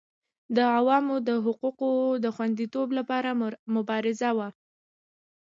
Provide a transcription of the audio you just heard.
د عوامو د حقوقو د خوندیتوب لپاره مبارزه وه.